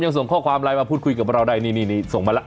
ส่งข้อความไลน์มาพูดคุยกับเราได้นี่ส่งมาแล้ว